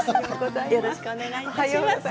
よろしくお願いします。